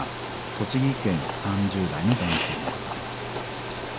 栃木県３０代の男性の方。